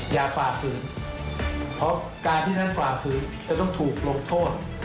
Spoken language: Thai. อย่าฝากเตือนเพราะการที่ท่านฝากเตือนจะต้องถูกลงโทษ